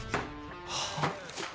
はあ！？